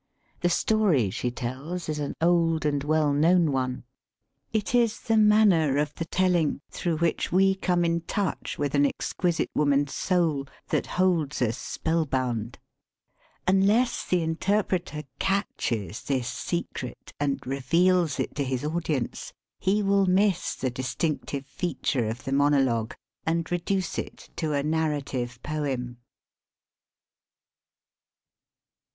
The story she tells is an old and well known one. 207 THE SPEAKING VOICE It is the manner of the telling through which we come in touch with an exquisite woman's soul that holds us spellbound. Unless the interpreter catches this secret and reveals it to his audience, he will miss the distinctive feature of the monologue and reduce it to a narrative poem.